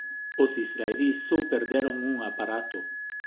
Os israelís so perderon un aparato.